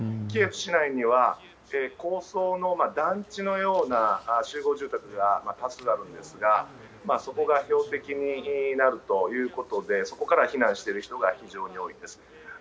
キエフ市内には高層の団地のような集合住宅が多数あるんですが、そこが標的になるということで、そこから避難してる人が非常に多いです。